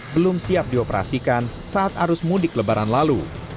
belum siap dioperasikan saat arus mudik lebaran lalu